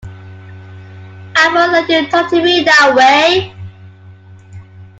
I won't let you talk to me that way!